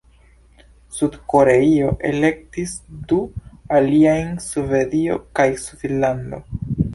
Sud-Koreio elektis du aliajn: Svedio kaj Svislando.